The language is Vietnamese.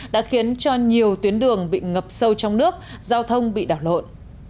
đã khiến cho nhiều tuyến đường bị ngập sâu trong nước giao thông bị đảo lộn